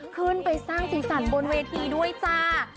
ขึ้นไปสร้างสีสันบนเวทีด้วยจ้า